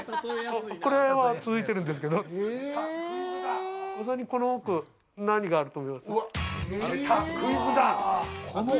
これは続いてるんですけど、この奥、何があると思います？